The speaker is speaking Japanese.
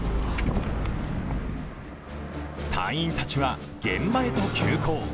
隊員たちは現場へと急行。